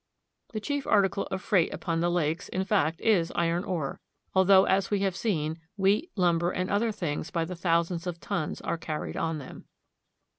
The chief article of freight upon the lakes, in fact, is iron ore, although, as we have seen, wheat, lum ber, and other things by the thousands of tons are carried on them.